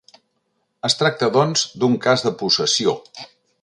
Es tracta, doncs, d'un cas de possessió.